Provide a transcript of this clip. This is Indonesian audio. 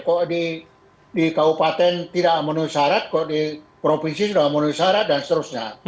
kok di kabupaten tidak memenuhi syarat kok di provinsi sudah memenuhi syarat dan seterusnya